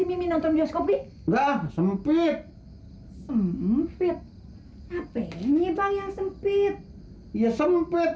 ini nonton bioskopi dah sempit sempit apa ini bang yang sempit ya sempet